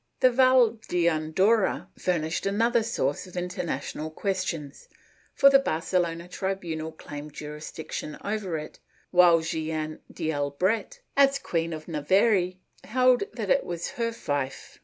^ The Val d' Andorra furnished another source of international questions, for the Barcelona tribunal claimed jurisdiction over it, while Jeanne d'Albret, as Queen of Navarre, held that it was her fief.